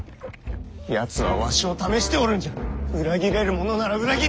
やつはわしを試しておるんじゃ裏切れるものなら裏切ってみよと！